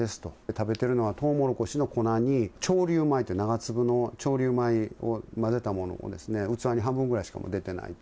食べているのはトウモロコシの粉に長粒米って、長粒の長粒米を混ぜたものを器に半分ぐらいしか出てないと。